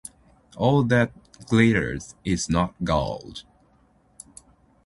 “All that glitters is not gold.”